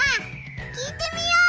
聞いてみよう！